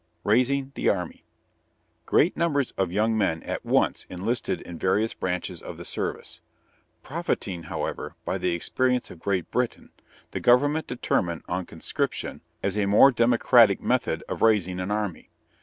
RAISING THE ARMY. Great numbers of young men at once enlisted in various branches of the service. Profiting, however, by the experience of Great Britain, the government determined on conscription as a more democratic method of raising an army.